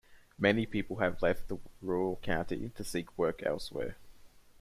Many people have left the rural county to seek work elsewhere.